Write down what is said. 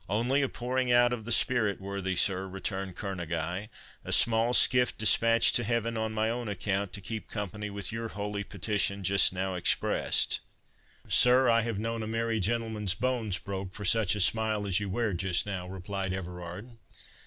"Only a pouring out of the spirit, worthy sir," returned Kerneguy—"a small skiff dispatched to Heaven on my own account, to keep company with your holy petition just now expressed." "Sir, I have known a merry gentleman's bones broke for such a smile as you wear just now," replied Everard.